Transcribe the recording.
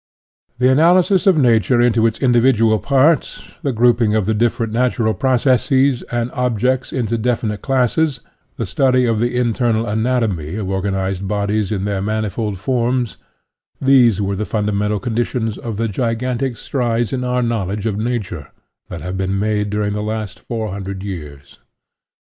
The analysis of Nature into its individual parts, the grouping of the differ ent natural processes and objects in definite classes, the study of the internal anatomy of organized bodies in their manifold forms these were the fundamental conditions of the gigantic strides in our knowledge of Nature that have been made during the last four hundred years.